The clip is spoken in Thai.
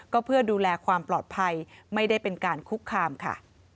ก็เพื่อดูแลความปลอดภัยไม่ได้เป็นการคุกคามค่ะ